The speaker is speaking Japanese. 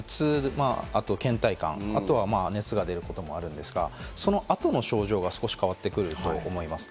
頭痛、あと倦怠感、あと、熱が出ることもあるんですが、その後の症状が少し変わってくると思います。